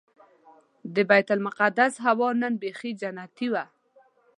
د بیت المقدس هوا نن بيخي جنتي وه.